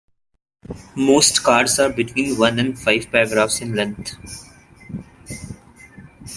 Most cards are between one and five paragraphs in length.